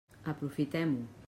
Aprofitem-ho.